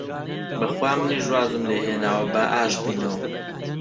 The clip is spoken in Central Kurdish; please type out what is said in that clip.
بەخوا منیش وازم لێ هێناوە، با ئاشت بینەوە!